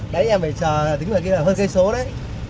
đấy em phải chờ tính vào khi là hơn cây số đấy